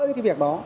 cái việc đó